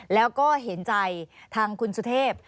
แล้วก็เห็นใจทางคุณสุเทพ